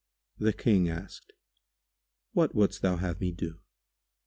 The King asked, "What wouldst thou have me do?"